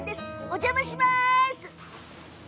お邪魔します。